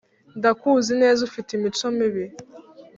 ndakuzi neza ufite imico mibi